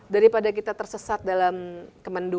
daripada kita tersesat dalam kemendu